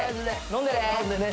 飲んでね。